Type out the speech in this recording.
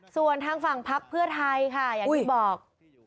ส่วนทางฝั่งพักเพื่อไทยค่ะอย่างที่บอก